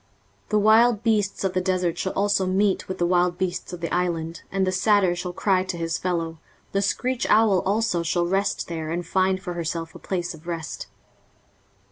23:034:014 The wild beasts of the desert shall also meet with the wild beasts of the island, and the satyr shall cry to his fellow; the screech owl also shall rest there, and find for herself a place of rest.